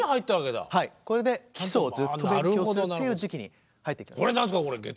これで基礎をずっと勉強するっていう時期に入っていきます。